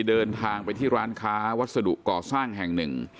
เดินทางไปที่ร้านค้าวัสดุก่อสร้างแห่งหนึ่ง